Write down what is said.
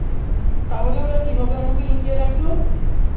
তাহলে ওরা কীভাবে আমাকে লুকিয়ে রাখল?